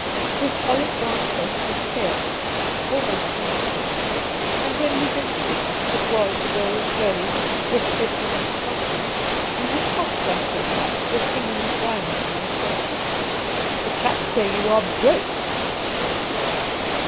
His olive brown face was pale, almost white now, and when he did speak it was, though slowly, with evident excitement, and he coughed once or twice as if feeling a dryness in the throat. ' The chaps say you are broke,' he said.